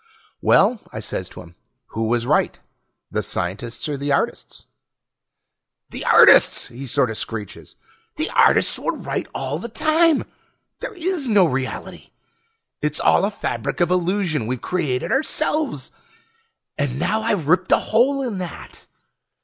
"Well," I says to him, "who was right, the scientists or the artists?" "The artists!" he sorta screeches. "The artists were right all the time ... there is no reality! It's all a fabric of illusion we've created ourselves! And now I've ripped a hole in that!"